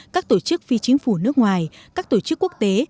các tổ chức phi chính phủ nước ngoài các tổ chức quốc tế